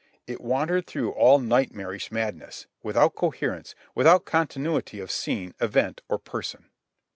It wandered through all nightmarish madness, without coherence, without continuity of scene, event, or person.